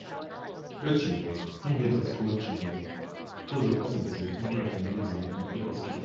Each year, hundreds of school children tour the facility's Interactive Museum and EcoScape.